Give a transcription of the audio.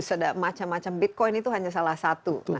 ada macam macam bitcoin itu hanya salah satu